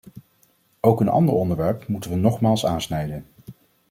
Ook een ander onderwerp moeten we nogmaals aansnijden.